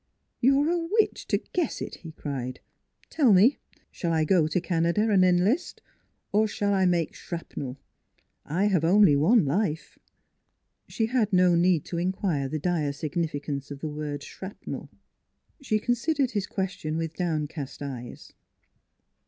" You are a witch to guess it," he cried. " Tell me, shall I go to Canada and enlist, or shall I make shrapnel? I have only one life." She had no need to inquire the dire significance of the word shrapnel. She considered his ques tion with downcast eyes.